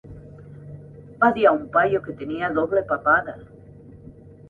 Va dir a un paio que tenia doble papada!